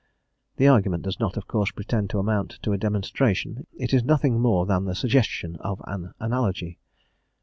The argument does not, of course, pretend to amount to a demonstration; it is nothing more than the suggestion of an analogy.